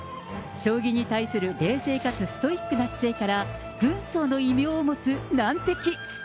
将棋に対する冷静かつストイックな姿勢から、軍曹の異名を持つ難敵。